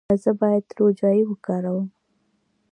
ایا زه باید روجايي وکاروم؟